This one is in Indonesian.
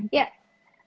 terima kasih semuanya